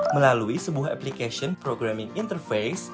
melalui sebuah application programming interface